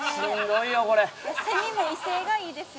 セミも威勢がいいですよ。